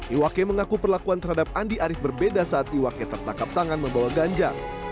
iwake mengaku perlakuan terhadap andi arief berbeda saat iwake tertangkap tangan membawa ganja